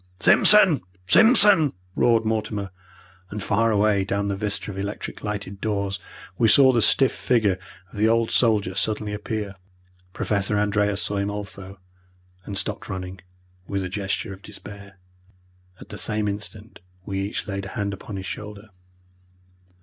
"Simpson! Simpson!" roared Mortimer, and far away down the vista of electric lighted doors we saw the stiff figure of the old soldier suddenly appear. Professor Andreas saw him also, and stopped running, with a gesture of despair. At the same instant we each laid a hand upon his shoulder.